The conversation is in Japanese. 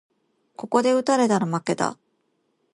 ここで打たれたら負けだ